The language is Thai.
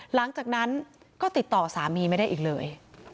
หลังจากนั้นก็ติดต่อสามีไม่ได้อีกเลย